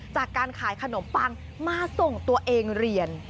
จากการขายขนมปังมาส่งตัวเองเรียน